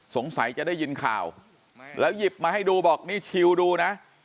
สงสัยจะได้ยินข่าวแล้วหยิบมาให้ดูบอกนี่ชิลดูนะ